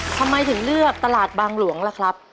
ทำไมถึงเลือกตลาดบางหลวงล่ะครับ